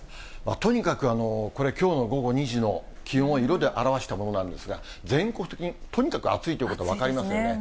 とにかく、これ、きょうの午後２時の気温を色で表したものなんですが、全国的にとにかく暑いということが分かりますよね。